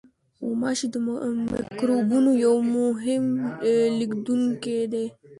غوماشې د میکروبونو یو مهم لېږدوونکی دي.